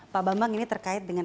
pak bambang ini terkait dengan